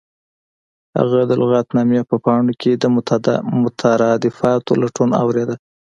هغه د لغتنامې په پاڼو کې د مترادفاتو لټون اوریده